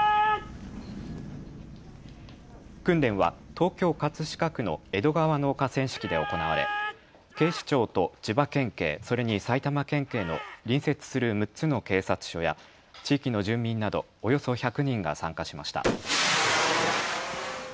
訓練は東京葛飾区の江戸川の河川敷で行われ警視庁と千葉県警、それに埼玉県警の隣接する６つの警察署や地域の住民などおよそ１００人が参加しました。